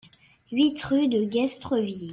huit rue de Guestreville